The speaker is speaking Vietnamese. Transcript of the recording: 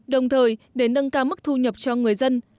đồng thời để nâng cao mức thu nhập cho người dân